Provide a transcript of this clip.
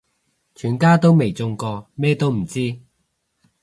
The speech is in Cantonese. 全家都未中過咩都唔知